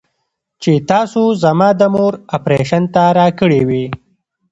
چې تاسو زما د مور اپرېشن ته راكړې وې.